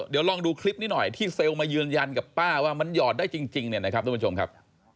เดี๋ยวลองดูคลิปนี้หน่อยที่เซลล์มายืนยันกับป้าว่ามันหยอดได้จริงเนี่ยนะครับทุกผู้ชมครับ